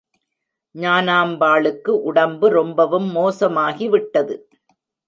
ஞானாம்பாளுக்கு உடம்பு ரொம்பவும் மோசமாகி விட்டது.